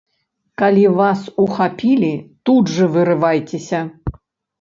Калі вас ухапілі, тут жа вырывайцеся.